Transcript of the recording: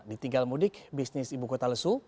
ditinggal mudik bisnis ibu kota lesu